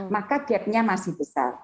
maka gapnya masih besar